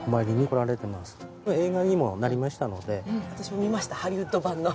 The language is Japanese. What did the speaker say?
こ私も見ましたハリウッド版の。